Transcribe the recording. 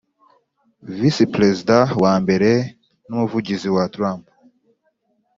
Visi Perezida wa mbere n Umuvugizi wa trump